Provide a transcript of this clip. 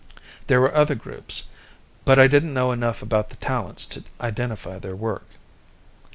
There were other groups, but I didn't know enough about the talents to identify their work.